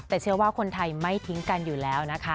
แต่เชื่อว่าคนไทยไม่ทิ้งกันอยู่แล้วนะคะ